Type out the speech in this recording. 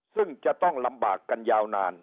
ซึ่งจะต้องลำบากกันยาวนาน